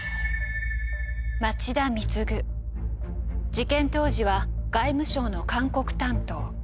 事件当時は外務省の韓国担当。